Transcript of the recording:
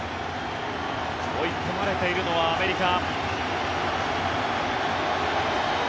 追い込まれているのはアメリカ。